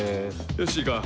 よしいいか？